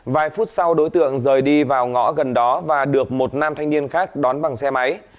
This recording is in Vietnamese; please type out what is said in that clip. vài phút sau đối tượng rời đi vào ngõ gần đó và được một nam thanh niên khác đón bằng xe máy